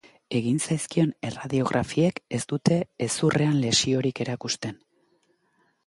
Egin zaizkion erradiografiek ez dute hezurrean lesiorik erakusten.